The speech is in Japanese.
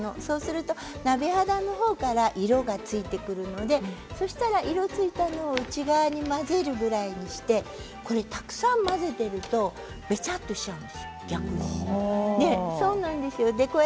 そうすると鍋肌のほうから色がついてくるのでそうしたら色がついたところを内側に混ぜるぐらいにしてこれたくさん混ぜているとべちゃっとしちゃうんです逆に。